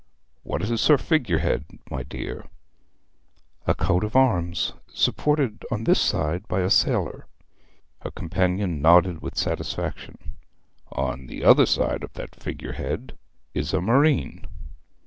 What is her figure head, my dear?' 'A coat of arms, supported on this side by a sailor.' Her companion nodded with satisfaction. 'On the other side of that figure head is a marine.'